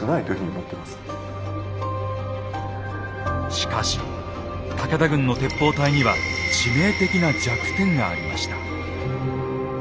しかし武田軍の鉄砲隊には致命的な弱点がありました。